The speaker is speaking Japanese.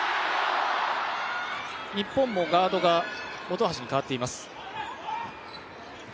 日本もガードが本橋に代わっています。